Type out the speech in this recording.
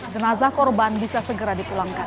jenazah korban bisa segera dipulangkan